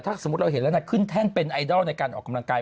ถ้าสมมุติเราเห็นแล้วนะขึ้นแท่งเป็นไอดอลในการออกกำลังกาย